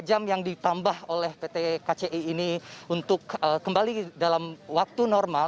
dua puluh jam yang ditambah oleh pt kci ini untuk kembali dalam waktu normal